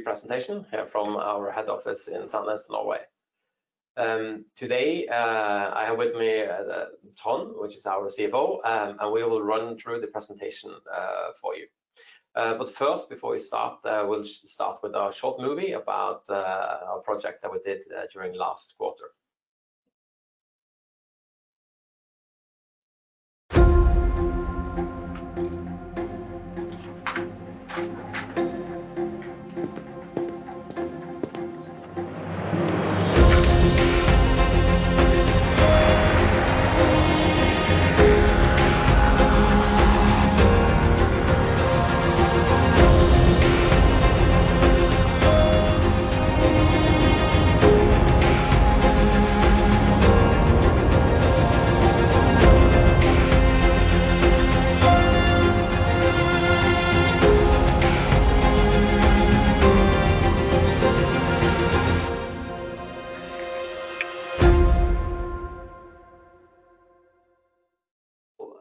Presentation from our head office in Sandnes, Norway. Today I have with me Tarjei Lode, which is our CFO, and we will run through the presentation for you. First, before we start, we'll start with a short movie about a project that we did during last quarter.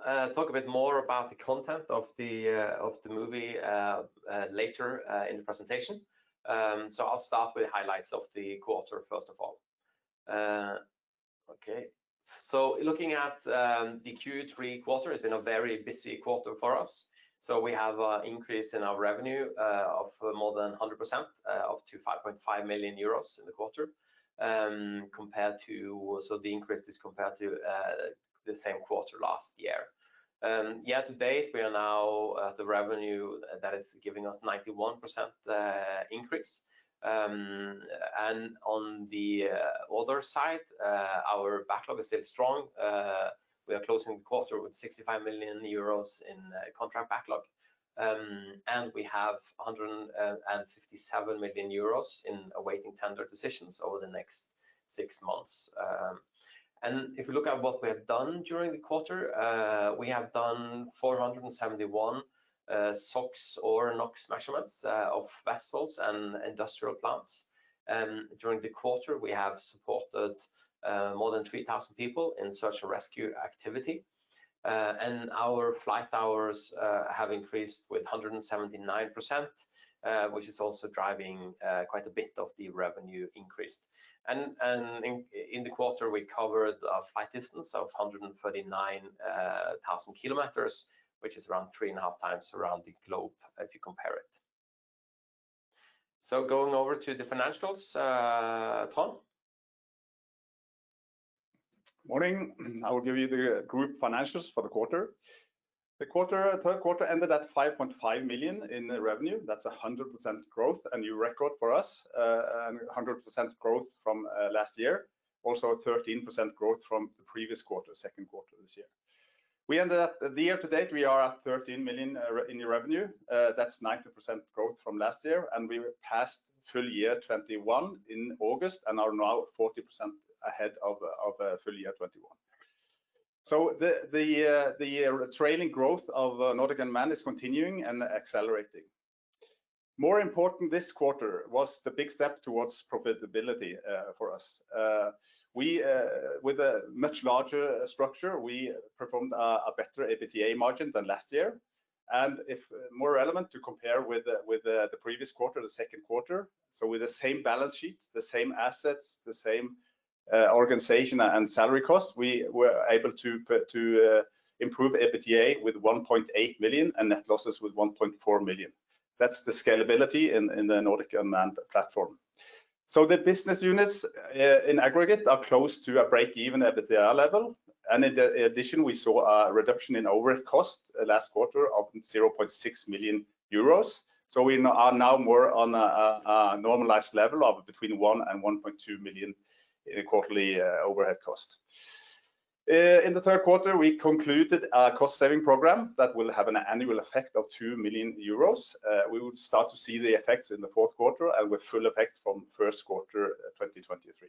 We'll talk a bit more about the content of the movie later in the presentation. I'll start with highlights of the quarter first of all. Okay. Looking at the Q3 quarter, it's been a very busy quarter for us. We have a increase in our revenue of more than 100% up to 5.5 million euros in the quarter compared to the same quarter last year. Year to date, we are now at a revenue that is giving us 91% increase. On the other side, our backlog is still strong. We are closing the quarter with 65 million euros in contract backlog. We have 157 million euros in awaiting tender decisions over the next six months. If you look at what we have done during the quarter, we have done 471 SOx or NOx measurements of vessels and industrial plants. During the quarter, we have supported more than 3,000 people in search and rescue activity. Our flight hours have increased with 179%, which is also driving quite a bit of the revenue increase. In the quarter, we covered a flight distance of 139,000 km, which is around 3.5x Around the globe if you compare it. Going over to the financials, Tarjei Lode. Morning I will give you the group financials for the quarter. The third quarter ended at 5.5 million in revenue. That's 100% growth. A new record for us. 100% growth from last year. Also a 13% growth from the previous quarter, second quarter this year. The year to date, we are at 13 million in revenue. That's 90% growth from last year, and we passed full year 2021 in August and are now 40% ahead of full year 2021. The trailing growth of Nordic Unmanned is continuing and accelerating. More important this quarter was the big step towards profitability for us. We, with a much larger structure, we performed a better EBITDA margin than last year. If more relevant to compare with the previous quarter, the second quarter, so with the same balance sheet, the same assets, the same organization and salary costs, we were able to improve EBITDA with 1.8 million and net losses with 1.4 million. That's the scalability in the Nordic Unmanned platform. The business units in aggregate are close to a break-even EBITDA level. In the addition, we saw a reduction in overhead costs last quarter of 0.6 million euros. We are now more on a normalized level of between 1 million and 1.2 million in quarterly overhead cost. In the third quarter, we concluded a cost saving program that will have an annual effect of 2 million euros. We would start to see the effects in the fourth quarter and with full effect from first quarter 2023.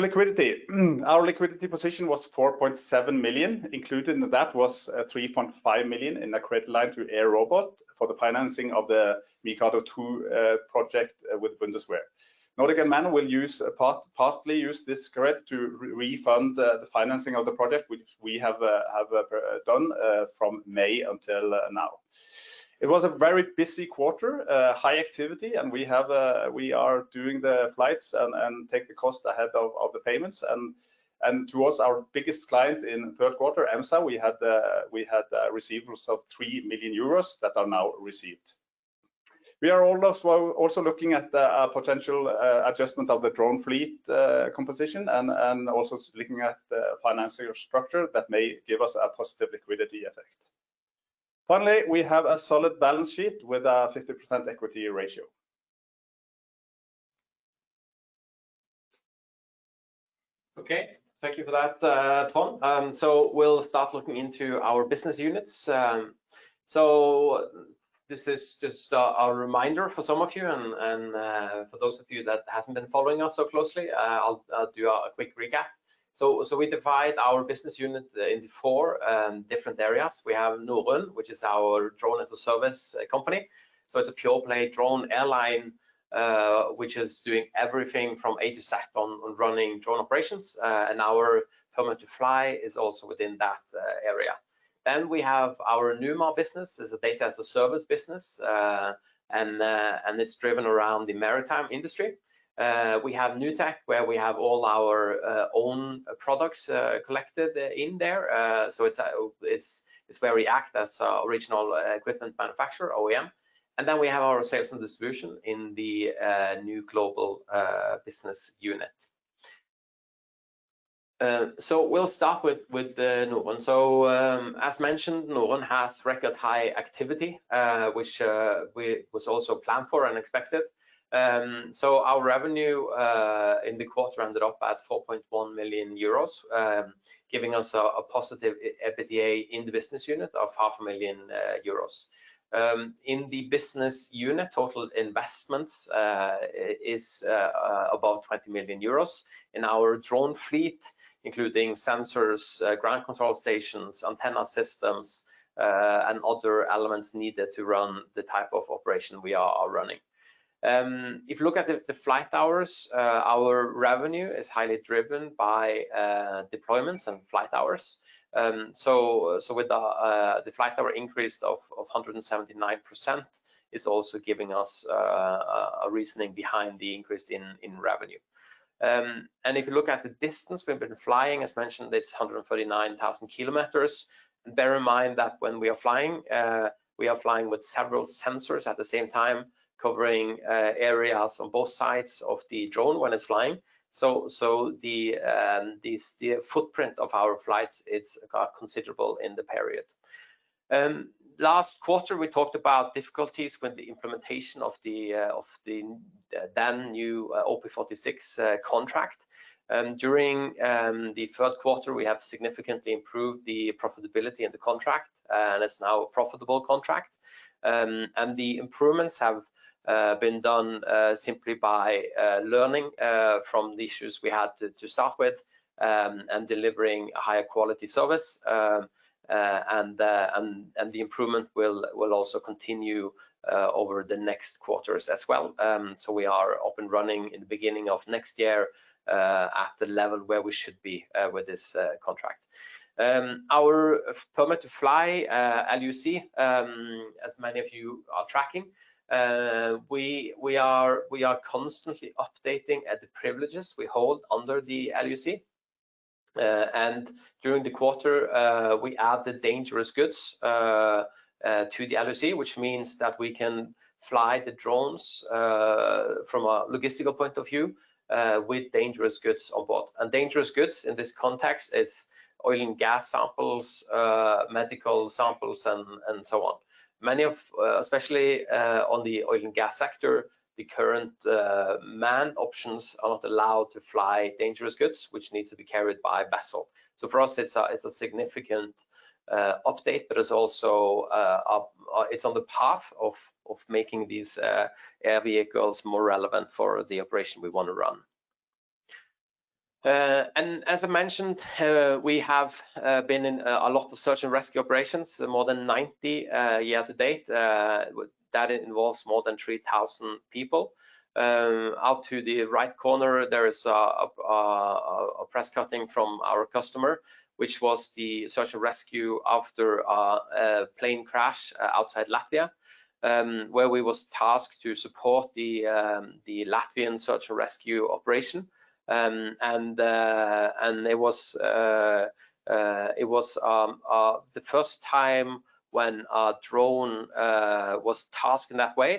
Liquidity. Our liquidity position was 4.7 million. Included in that was 3.5 million in a credit line through AirRobot for the financing of the MIKADO II project with Bundeswehr. Nordic Unmanned will partly use this credit to re-refund the financing of the project, which we have done from May until now. It was a very busy quarter, high activity, and we are doing the flights and take the cost ahead of the payments. Towards our biggest client in third quarter, EMSA, we had receivables of 3 million euros that are now received. We are also looking at a potential adjustment of the drone fleet composition and also looking at the financial structure that may give us a positive liquidity effect. Finally, we have a solid balance sheet with a 50% equity ratio. Okay thank you for that Tarjei Lode we'll start looking into our business units. This is just a reminder for some of you and for those of you that hasn't been following us so closely. I'll do a quick recap. We divide our business unit into four different areas. We have Norrøn, which is our drone-as-a-service company. It's a pure-play drone airline which is doing everything from A to Z on running drone operations, and our permit to fly is also within that area. We have our NUMAR business as a data-as-a-service business and it's driven around the maritime industry. We have NUTech, where we have all our own products collected in there. It's where we act as original equipment manufacturer, OEM. We have our sales and distribution in the NU Global business unit. We'll start with Norrøn. As mentioned, Norrøn has record high activity, which was also planned for and expected. Our revenue in the quarter ended up at 4.1 million euros, giving us a positive EBITDA in the business unit of 500,000 euros. In the business unit, total investments is above 20 million euros in our drone fleet, including sensors, ground control stations, antenna systems, and other elements needed to run the type of operation we are running. If you look at the flight hours, our revenue is highly driven by deployments and flight hours. With the flight hour increase of 179% is also giving us a reasoning behind the increase in revenue. If you look at the distance we've been flying, as mentioned, it's 139,000 km. Bear in mind that when we are flying, we are flying with several sensors at the same time, covering areas on both sides of the drone when it's flying. The footprint of our flights, it's considerable in the period. Last quarter, we talked about difficulties with the implementation of the then new OP46 contract. During the third quarter, we have significantly improved the profitability of the contract, and it's now a profitable contract. The improvements have been done simply by learning from the issues we had to start with and delivering a higher quality service. The improvement will also continue over the next quarters as well. We are up and running in the beginning of next year at the level where we should be with this contract. Our permit to fly, LUC, as many of you are tracking, we are constantly updating at the privileges we hold under the LUC. During the quarter, we added dangerous goods to the LUC, which means that we can fly the drones from a logistical point of view with dangerous goods on board. Dangerous goods in this context is oil and gas samples, medical samples, and so on. Especially on the oil and gas sector, the current manned options are not allowed to fly dangerous goods, which needs to be carried by vessel. For us, it's a significant update, but it's also on the path of making these air vehicles more relevant for the operation we want to run. As I mentioned, we have been in a lot of search and rescue operations, more than 90 year-to-date. That involves more than 3,000 people. Out to the right corner, there is a press cutting from our customer, which was the search and rescue after a plane crash outside Latvia, where we was tasked to support the Latvian search and rescue operation. It was the first time when a drone was tasked in that way.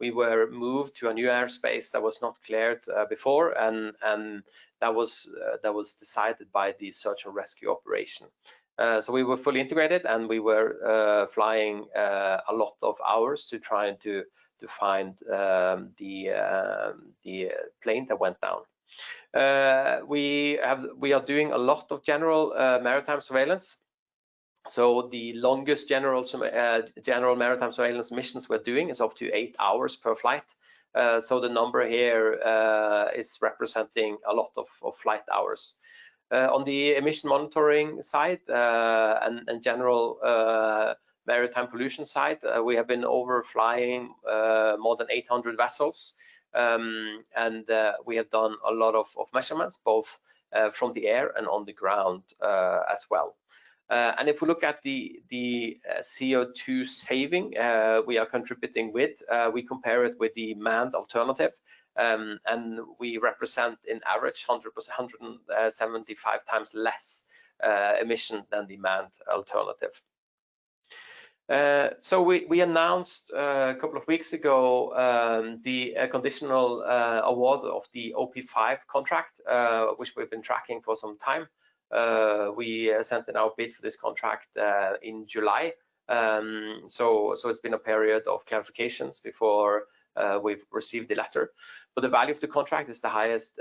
We were moved to a new airspace that was not cleared before, and that was decided by the search and rescue operation. We were fully integrated, and we were flying a lot of hours to try and to find the plane that went down. We are doing a lot of general maritime surveillance. The longest general maritime surveillance missions we're doing is up to eight hours per flight. The number here is representing a lot of flight hours. On the emission monitoring side and general maritime pollution side, we have been overflying more than 800 vessels. We have done a lot of measurements, both from the air and on the ground as well. If we look at the CO2 saving we are contributing with, we compare it with the manned alternative, we represent an average 175x less emission than the manned alternative. We announced a couple of weeks ago the conditional award of the OP5 contract, which we've been tracking for some time. We sent an update for this contract in July. It's been a period of clarifications before we've received the letter. The value of the contract is the highest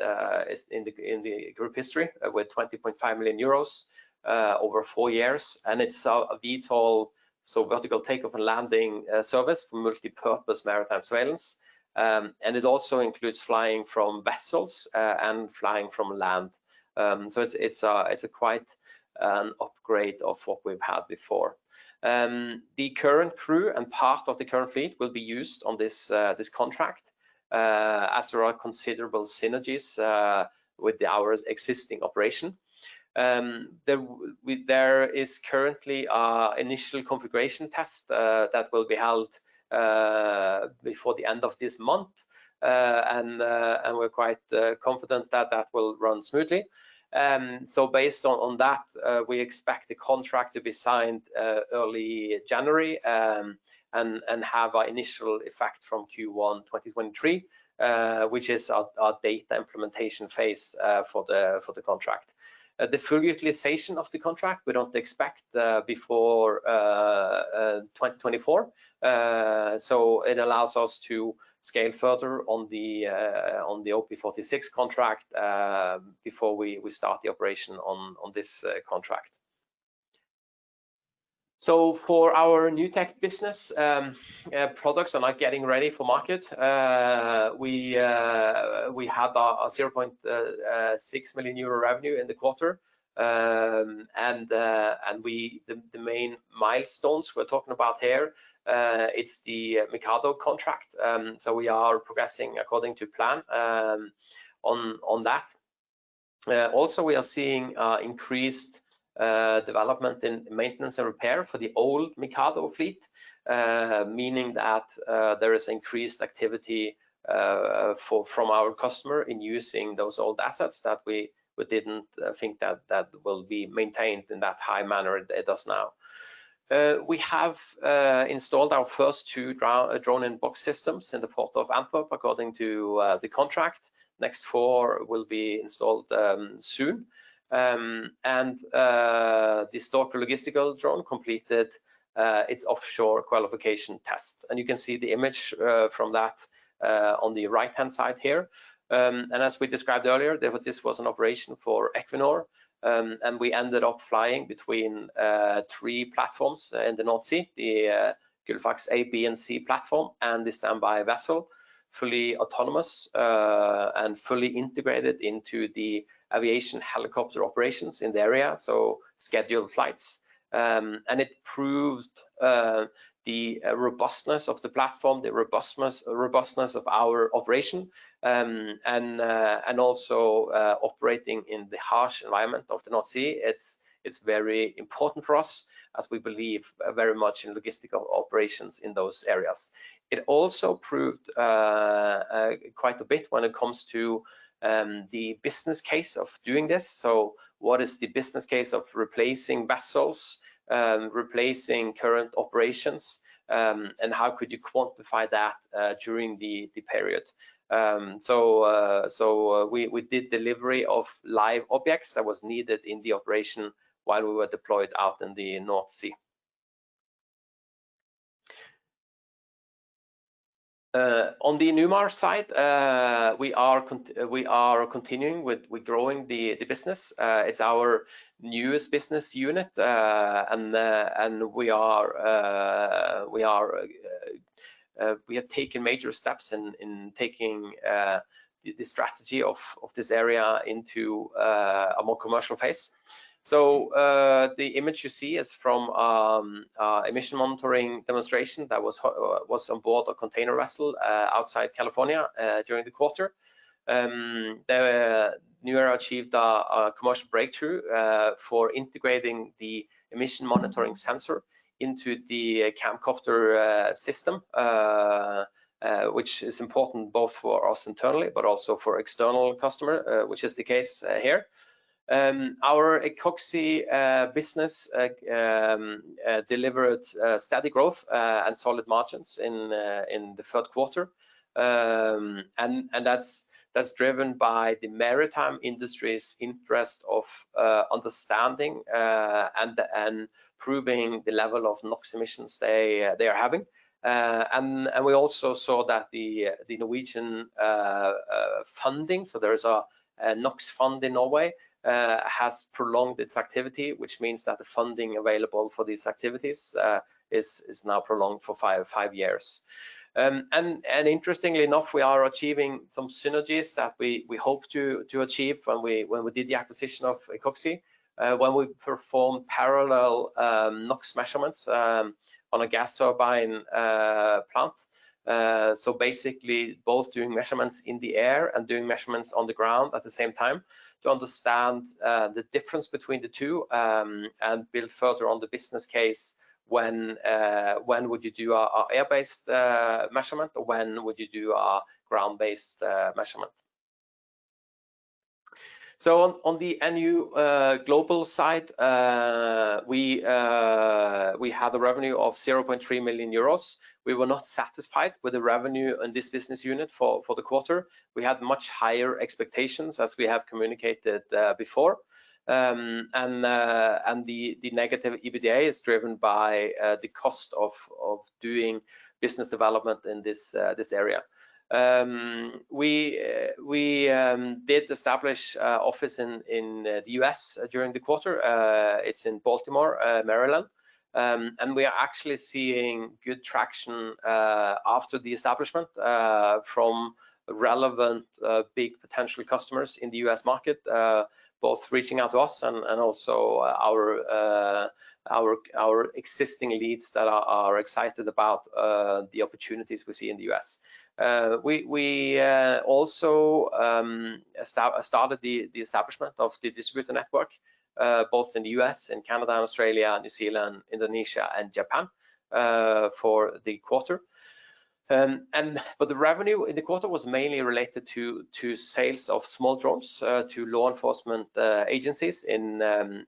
in the group history with 20.5 million euros over four years, and it's a VTOL, so vertical take-off and landing, service for multi-purpose maritime surveillance. It also includes flying from vessels and flying from land. It's a quite upgrade of what we've had before. The current crew and part of the current fleet will be used on this contract as there are considerable synergies with our existing operation. There is currently a initial configuration test that will be held before the end of this month. We're quite confident that that will run smoothly. Based on that, we expect the contract to be signed early January and have our initial effect from Q1 2023, which is our data implementation phase for the contract. The full utilization of the contract we don't expect before 2024. It allows us to scale further on the OP46 contract before we start the operation on this contract. For our NUTech business, products are now getting ready for market. We had a 0.6 million euro revenue in the quarter. The main milestones we're talking about here, it's the MIKADO contract, so we are progressing according to plan on that. Also, we are seeing increased development in maintenance and repair for the old MIKADO fleet, meaning that there is increased activity from our customer in using those old assets that we didn't think that will be maintained in that high manner it does now. We have installed our first two drone-in-a-box systems in the Port of Antwerp according to the contract. Next four will be installed soon. The Staaker logistical drone completed its offshore qualification test. You can see the image from that on the right-hand side here. As we described earlier, this was an operation for Equinor, and we ended up flying between three platforms in the North Sea, the Gullfaks A, B, and C platform, and the standby vessel, fully autonomous and fully integrated into the aviation helicopter operations in the area, so scheduled flights. It proved the robustness of the platform, the robustness of our operation, and also operating in the harsh environment of the North Sea. It's very important for us as we believe very much in logistical operations in those areas. It also proved quite a bit when it comes to the business case of doing this. What is the business case of replacing vessels, replacing current operations, and how could you quantify that during the period? We did delivery of live objects that was needed in the operation while we were deployed out in the North Sea. On the NUMAR side, we are continuing with growing the business. It's our newest business unit, and we have taken major steps in taking the strategy of this area into a more commercial phase. The image you see is from a emission monitoring demonstration that was on board a container vessel outside California during the quarter. The NUMAR achieved a commercial breakthrough for integrating the emission monitoring sensor into the Camcopter system, which is important both for us internally, but also for external customer, which is the case here. Our Ecoxy business delivered steady growth and solid margins in the third quarter. That's driven by the maritime industry's interest of understanding and improving the level of NOx emissions they are having. We also saw that the Norwegian funding, so there is a NOx Fund in Norway, has prolonged its activity, which means that the funding available for these activities is now prolonged for five years. Interestingly enough, we are achieving some synergies that we hope to achieve when we did the acquisition of Ecoxy, when we performed parallel NOx measurements on a gas turbine plant. Basically both doing measurements in the air and doing measurements on the ground at the same time to understand the difference between the two and build further on the business case when would you do a air-based measurement, or when would you do a ground-based measurement? On the NU Global side, we had a revenue of 0.3 million euros. We were not satisfied with the revenue in this business unit for the quarter. We had much higher expectations, as we have communicated before. The negative EBITDA is driven by the cost of doing business development in this area. We did establish a office in the U.S. during the quarter. It's in Baltimore, Maryland. We are actually seeing good traction after the establishment from relevant big potential customers in the U.S. market, both reaching out to us and also our existing leads that are excited about the opportunities we see in the U.S. We also started the establishment of the distributor network both in the U.S. and Canada and Australia, New Zealand, Indonesia and Japan for the quarter. The revenue in the quarter was mainly related to sales of small drones to law enforcement agencies in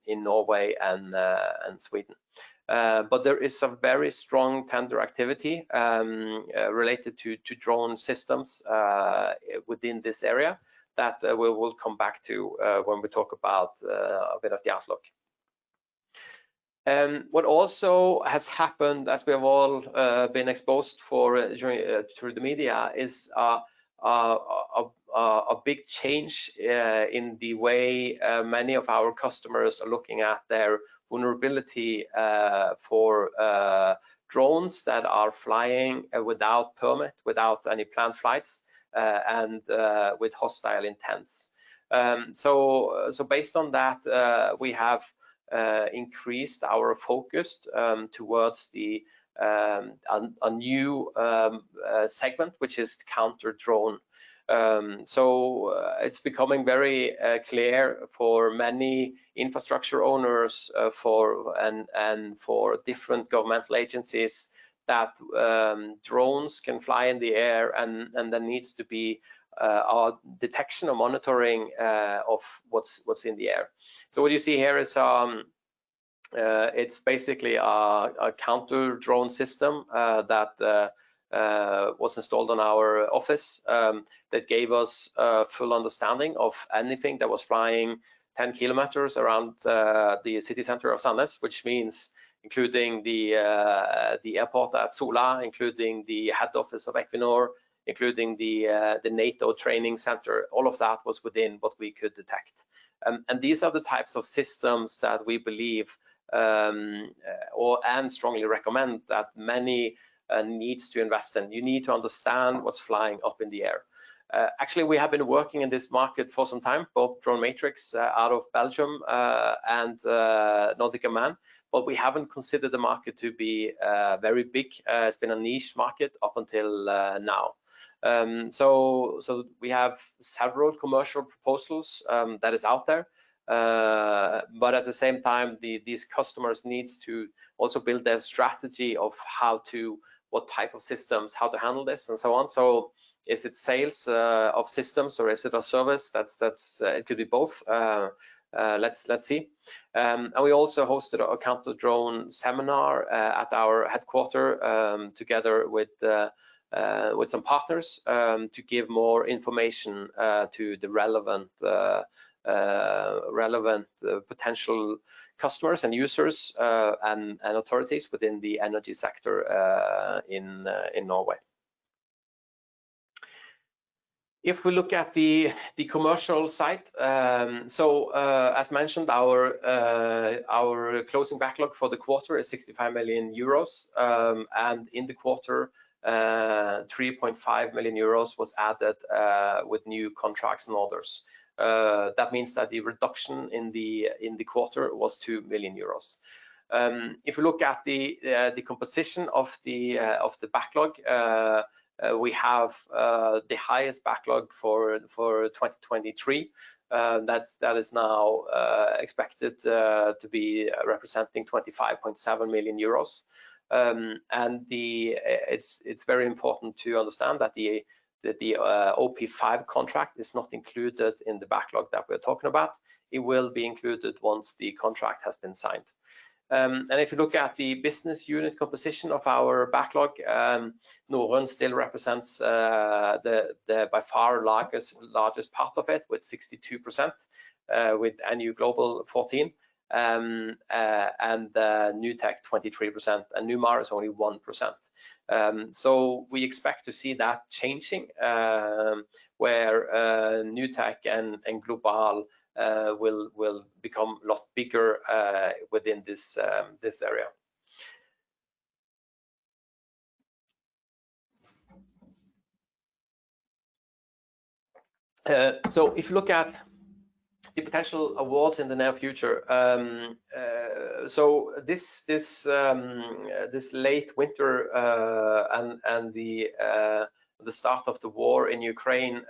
Norway and Sweden. There is some very strong tender activity related to drone systems within this area that we will come back to when we talk about a bit of the outlook. What also has happened, as we have all been exposed for through the media, is a big change in the way many of our customers are looking at their vulnerability for drones that are flying without permit, without any planned flights, and with hostile intents. Based on that, we have increased our focus towards the new segment, which is counter-drone. It's becoming very clear for many infrastructure owners and for different governmental agencies that drones can fly in the air and there needs to be a detection or monitoring of what's in the air. What you see here is basically a counter-drone system that was installed on our office that gave us full understanding of anything that was flying 10 km around the city center of Sandnes, which means including the airport at Sola, including the head office of Equinor, including the NATO Training Centre. All of that was within what we could detect. These are the types of systems that we believe and strongly recommend that many needs to invest in. You need to understand what's flying up in the air. Actually, we have been working in this market for some time, both DroneMatrix out of Belgium and Nordic Unmanned, but we haven't considered the market to be very big. It's been a niche market up until now. We have several commercial proposals that is out there. At the same time, these customers needs to also build their strategy of what type of systems, how to handle this, and so on. Is it sales of systems, or is it a service? It could be both. Let's see. We also hosted a counter-drone seminar at our headquarter together with some partners to give more information to the relevant potential customers and users and authorities within the energy sector in Norway. If we look at the commercial side, as mentioned, our closing backlog for the quarter is 65 million euros. In the quarter, 3.5 million euros was added with new contracts and orders. That means that the reduction in the quarter was 2 million euros. If you look at the composition of the backlog, we have the highest backlog for 2023. Um that's that is now uh, expected, uh, to be representing 25.7 million euros. Um, and the... it's very important to understand that the, that the, uh, OP5 contract is not included in the backlog that we're talking about. It will be included once the contract has been signed. Um, and if you look at the business unit composition of our backlog, um, Norrøn still represents, uh, the by far larg-largest part of it with 62%, uh, with NU Global 14%, um, uh, and, uh, NUTech 23%, and NUMAR is only 1%. We expect to see that changing where NUTech and NU Global will become a lot bigger within this area. If you look at the potential awards in the near future, this late winter and the start of the war in Ukraine,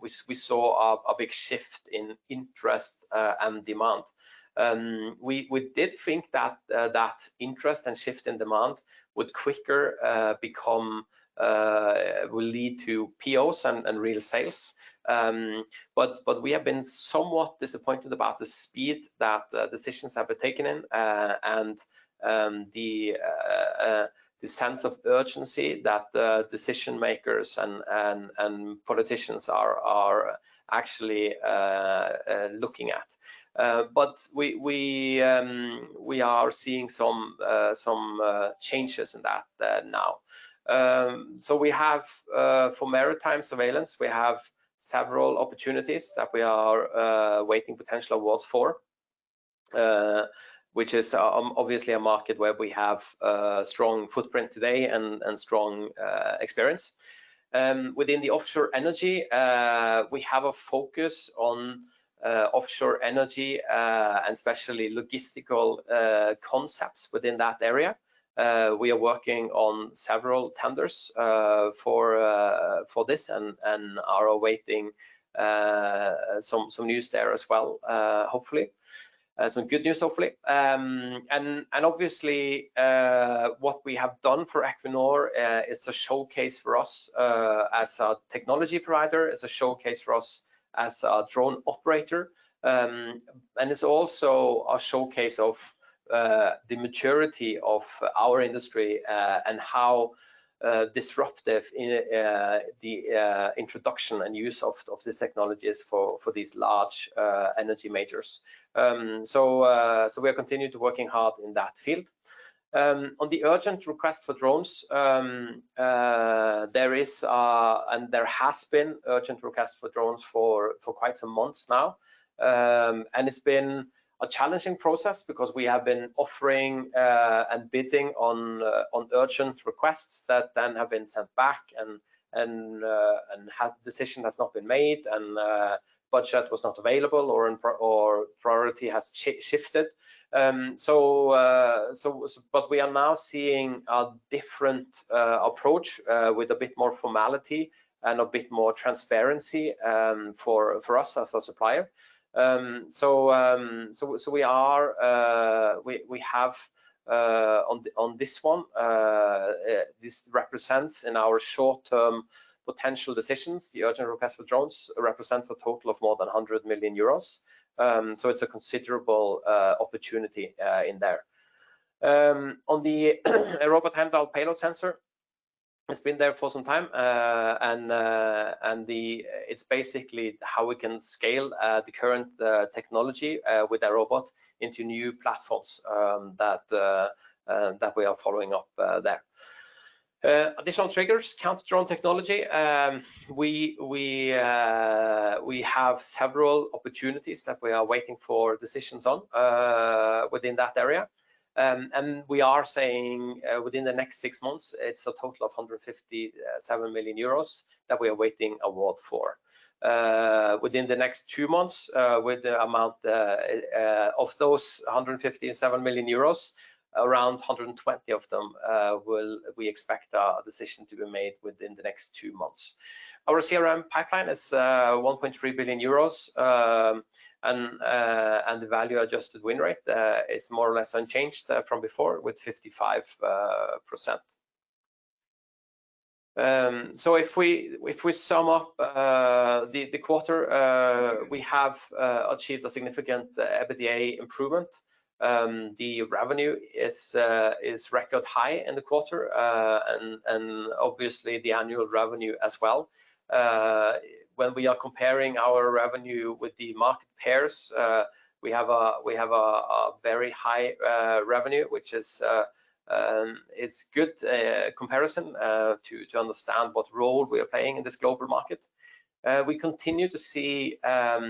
we saw a big shift in interest and demand. We did think that interest and shift in demand would quicker lead to POs and real sales. We have been somewhat disappointed about the speed that decisions have been taken in and the sense of urgency that the decision-makers and politicians are actually looking at. We are seeing some changes in that now. For maritime surveillance, we have several opportunities that we are awaiting potential awards for, which is obviously a market where we have a strong footprint today and strong experience. Within the offshore energy, we have a focus on offshore energy and especially logistical concepts within that area. We are working on several tenders for this and are awaiting some news there as well, hopefully. Some good news, hopefully. Obviously, what we have done for Equinor is a showcase for us as a technology provider, is a showcase for us as a drone operator. It's also a showcase of the maturity of our industry and how disruptive the introduction and use of this technology is for these large energy majors. We are continuing to working hard in that field. On the urgent request for drones, there is and there has been urgent requests for drones for quite some months now. It's been a challenging process because we have been offering and bidding on urgent requests that then have been sent back and decision has not been made, and budget was not available or priority has shifted. We are now seeing a different approach with a bit more formality and a bit more transparency for us as a supplier. This represents in our short-term potential decisions, the urgent request for drones represents a total of more than 100 million euros. It's a considerable opportunity in there. On the AirRobot AR100-H payload sensor, it's been there for some time, and it's basically how we can scale the current technology with AirRobot into new platforms that we are following up there. Additional triggers, counter-drone technology, we have several opportunities that we are waiting for decisions on within that area. We are saying within the next six months, it's a total of 157 million euros that we are waiting award for. Within the next two months, with the amount of those 157 million euros, around 120 of them, we expect a decision to be made within the next two months. Our CRM pipeline is 1.3 billion euros, and the value-adjusted win rate is more or less unchanged from before with 55%. If we sum up the quarter, we have achieved a significant EBITDA improvement. The revenue is record high in the quarter and obviously the annual revenue as well. When we are comparing our revenue with the market peers, we have a very high revenue, which is good comparison to understand what role we are playing in this global market. We continue to see a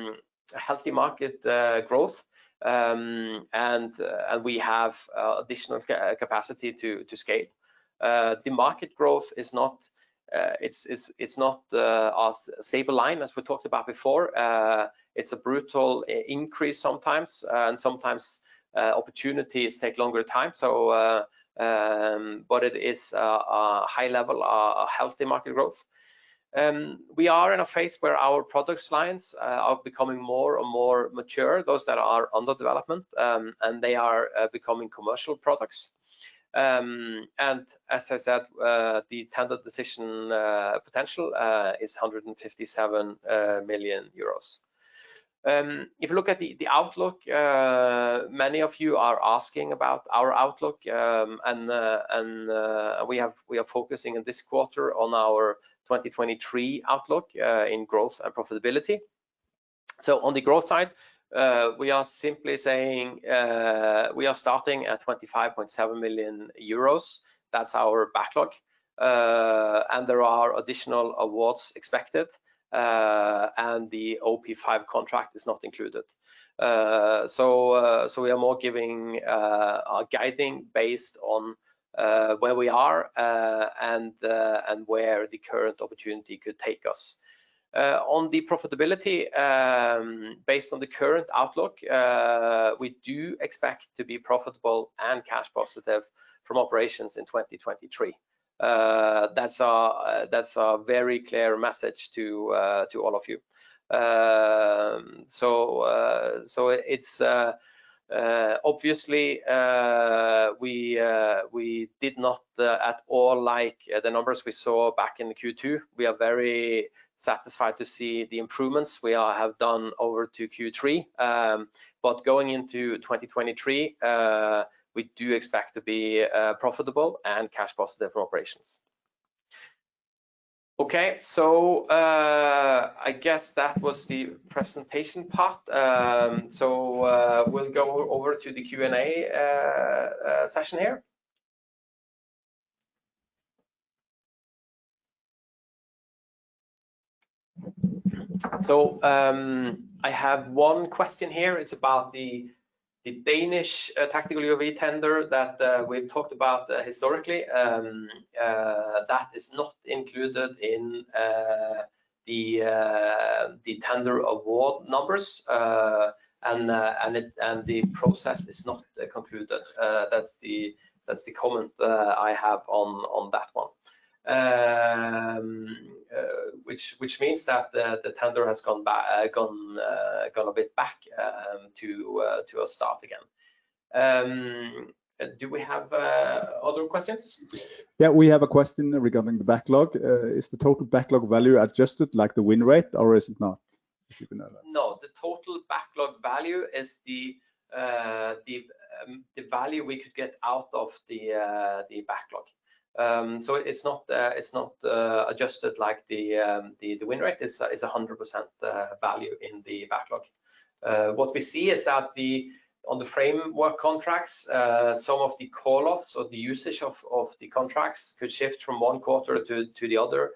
healthy market growth, and we have additional capacity to scale. The market growth is not a stable line as we talked about before. It's a brutal increase sometimes, and sometimes opportunities take longer time. It is a high level, a healthy market growth. We are in a phase where our product lines are becoming more and more mature, those that are under development, and they are becoming commercial products. As I said, the tender decision potential is 157 million euros. If you look at the outlook, many of you are asking about our outlook. We are focusing in this quarter on our 2023 outlook in growth and profitability. On the growth side, we are simply saying we are starting at 25.7 million euros. That's our backlog. There are additional awards expected, and the OP5 contract is not included. We are more guiding based on where we are and where the current opportunity could take us. On the profitability, based on the current outlook, we do expect to be profitable and cash positive from operations in 2023. That's our very clear message to all of you. Obviously, we did not at all like the numbers we saw back in Q2. We are very satisfied to see the improvements we have done over to Q3. Going into 2023, we do expect to be profitable and cash positive from operations. Okay. I guess that was the presentation part. We'll go over to the Q&A session here. I have one question here. It's about the Danish Tactical UAV tender that we've talked about historically. That is not included in the tender award numbers. The process is not concluded. That's the comment I have on that one. Which means that the tender has gone a bit back to a start again. Do we have other questions? Yeah we have a question regarding the backlog. Is the total backlog value adjusted like the win rate, or is it not? If you can know that. No, the total backlog value is the value we could get out of the backlog. It's not adjusted like the win rate. It's 100% value in the backlog. What we see is that on the framework contracts, some of the call offs or the usage of the contracts could shift from one quarter to the other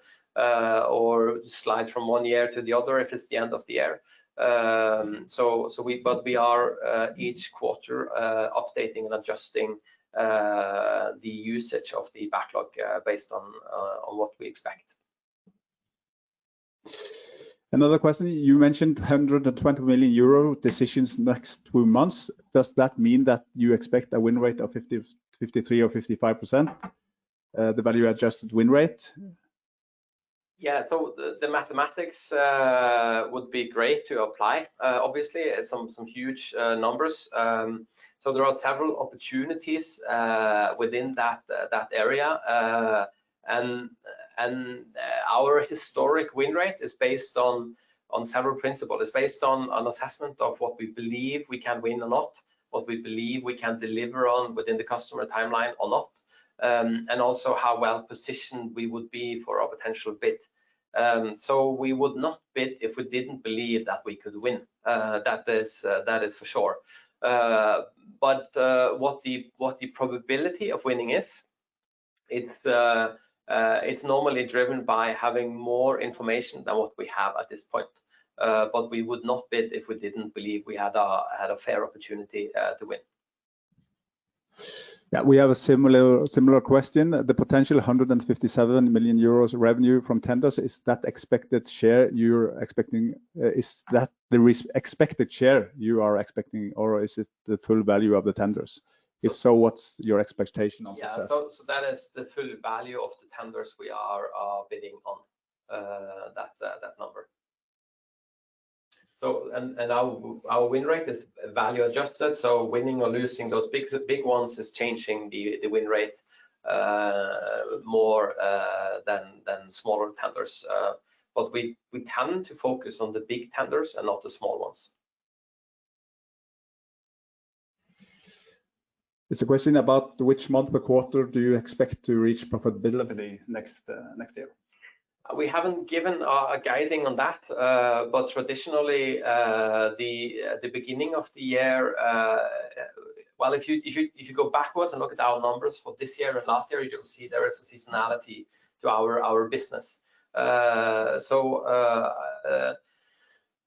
or slide from one year to the other if it's the end of the year. We are each quarter updating and adjusting the usage of the backlog based on what we expect. Another question you mentioned 120 million euro decisions next two months. Does that mean that you expect a win rate of 50%, 53% or 55%, the value-adjusted win rate? Yeah the mathematics would be great to apply. Obviously, some huge numbers. There are several opportunities within that area. Our historic win rate is based on several principles. It's based on an assessment of what we believe we can win a lot, what we believe we can deliver on within the customer timeline a lot, and also how well-positioned we would be for a potential bid. We would not bid if we didn't believe that we could win. That is for sure. What the probability of winning is, it's normally driven by having more information than what we have at this point. We would not bid if we didn't believe we had a fair opportunity to win. Yeah we have a similar question. The potential 157 million euros revenue from tenders, is that expected share you're expecting? Is that the expected share you are expecting, or is it the full value of the tenders? If so, what's your expectation on success? Yeah that is the full value of the tenders we are bidding on, that number. Our win rate is value adjusted, so winning or losing those big ones is changing the win rate more than smaller tenders. We tend to focus on the big tenders and not the small ones. It's a question about which month or quarter do you expect to reach profitability next year? We haven't given our guiding on that, but traditionally the beginning of the year. Well, if you go backwards and look at our numbers for this year and last year, you will see there is a seasonality to our business.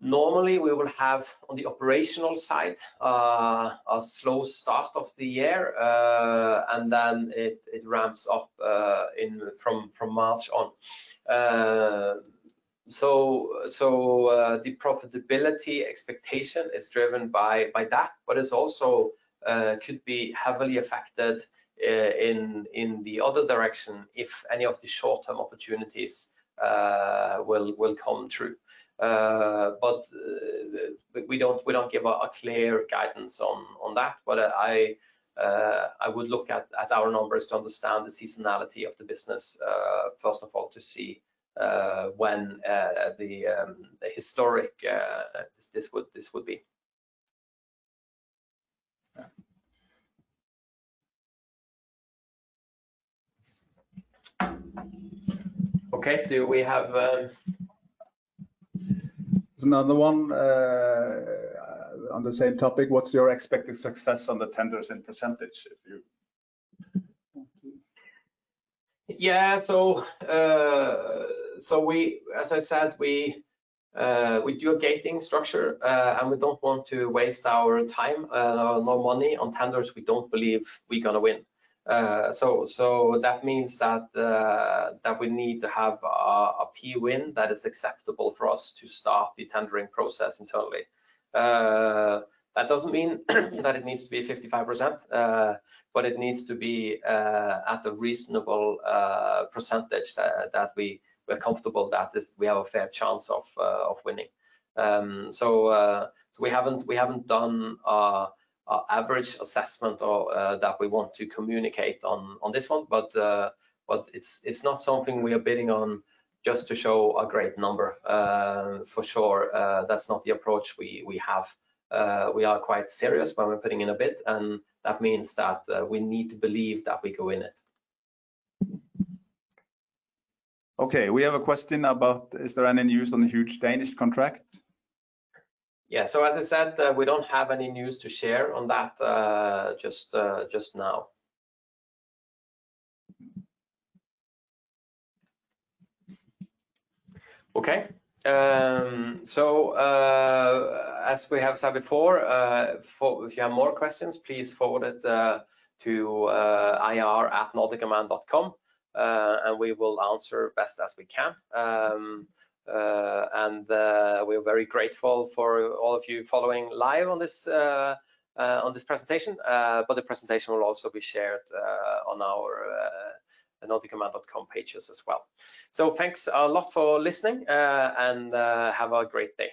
Normally, we will have on the operational side a slow start of the year, and then it ramps up from March on. The profitability expectation is driven by that, but it's also could be heavily affected in the other direction if any of the short-term opportunities will come through. We don't give a clear guidance on that. I would look at our numbers to understand the seasonality of the business, first of all, to see when this would be. Okay do we have? There's another one on the same topic. What's your expected success on the tenders in percentage if you want to? Yeah as I said, we do a gating structure, and we don't want to waste our time or money on tenders we don't believe we're gonna win. That means that we need to have a p-win that is acceptable for us to start the tendering process internally. That doesn't mean that it needs to be 55%, but it needs to be at a reasonable percentage that we're comfortable that we have a fair chance of winning. We haven't done a average assessment or that we want to communicate on this one, but it's not something we are bidding on just to show a great number. For sure that's not the approach we have. We are quite serious when we're putting in a bid, and that means that we need to believe that we can win it. Okay we have a question about is there any news on the huge Danish contract? Yeah as I said, we don't have any news to share on that just now. Okay. As we have said before, if you have more questions, please forward it to ir@nordicunmanned.com, and we will answer best as we can. We're very grateful for all of you following live on this presentation. The presentation will also be shared on our nordicunmanned.com pages as well. Thanks a lot for listening and have a great day.